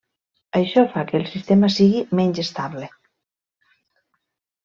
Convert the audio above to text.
Això fa que el sistema sigui menys estable.